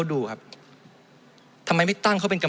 มันตรวจหาได้ระยะไกลตั้ง๗๐๐เมตรครับ